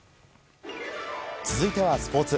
続いてはスポーツ。